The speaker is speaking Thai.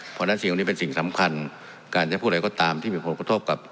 เพราะฉะนั้นสิ่งเหล่านี้เป็นสิ่งสำคัญการจะพูดอะไรก็ตามที่มีผลกระทบกับ